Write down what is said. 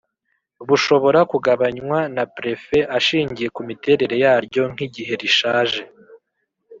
bushobora kugabanywa na prefe ashingiye kumiterere yaryo nk’igihe rishaje